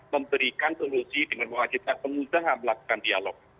memberikan solusi dengan wajib dan pengusaha melakukan dialog